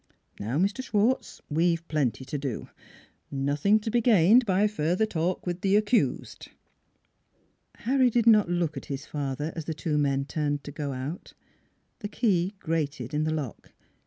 ... Now, Mr. Schwartz, we've plenty to do. Nothing to be gained by further talk with the accused." Harry did not look at his father, as the two men turned to go out. ... The key grated in the lock.